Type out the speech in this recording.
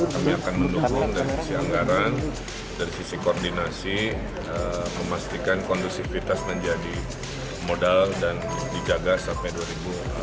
kami akan mendukung dari sisi anggaran dari sisi koordinasi memastikan kondusivitas menjadi modal dan dijaga sampai dua ribu dua puluh